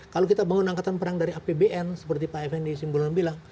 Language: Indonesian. kalau kita bangun angkatan perang dari apbn seperti pak fnd simbolon bilang